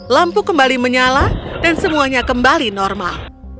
lampu kembali menyala dan semuanya kembali normal